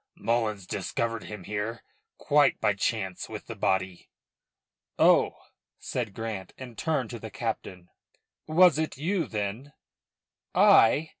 "Mullins discovered him here quite by chance with the body." "Oh!" said Grant, and turned to the captain. "Was it you then " "I?"